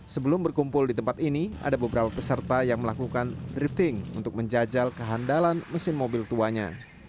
sebelum berkumpul di tempat ini ada beberapa peserta yang melakukan drifting untuk menjajal kehandalan mesin mobil tuanya